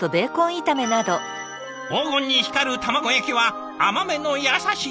黄金に光る卵焼きは甘めの優しい味付け。